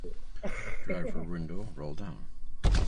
ziliunga benin na zile nchi zingine mkono